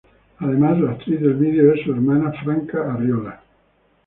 Además, la actriz del vídeo es su hermana Franca Arriola.